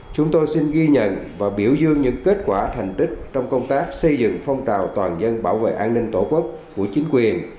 chúng tôi xin ghi nhận và biểu dương những kết quả thành tích trong công tác xây dựng phong trào toàn dân bảo vệ an ninh tổ quốc của chính quyền